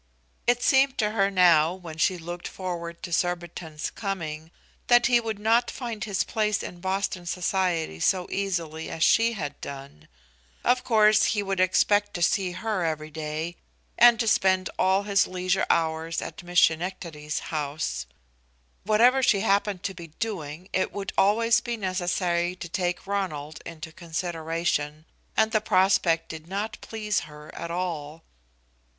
It seemed to her now, when she looked forward to Surbiton's coming, that he would not find his place in Boston society so easily as she had done. Of course he would expect to see her every day, and to spend all his leisure hours at Miss Schenectady's house. Whatever she happened to be doing, it would always be necessary to take Ronald into consideration, and the prospect did not please her at all.